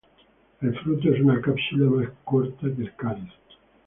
El fruto es una cápsula más corta que el cáliz.